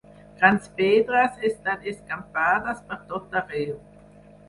Grans pedres estan escampades per tot arreu.